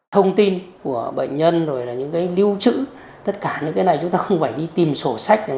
thông tin của bệnh nhân rồi là những cái lưu trữ tất cả những cái này chúng ta không phải đi tìm sổ sách